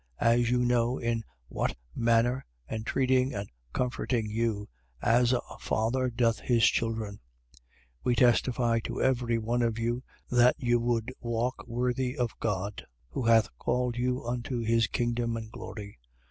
As you know in what manner, entreating and comforting you (as a father doth his children), 2:12. We testified to every one of you that you would walk worthy of God, who hath called you unto his kingdom and glory.